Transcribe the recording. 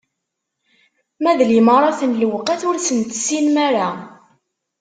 Ma d limaṛat n lewqat, ur sen-tessinem ara?